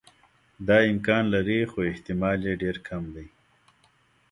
دا امکان لري خو احتمال یې ډېر کم دی.